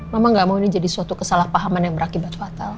memang gak mau ini jadi suatu kesalahpahaman yang berakibat fatal